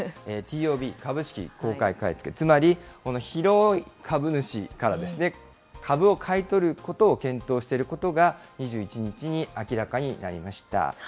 ＴＯＢ・株式公開買い付け、つまり、この広い株主から株を買い取ることを検討していることが２１日に明らかになりました。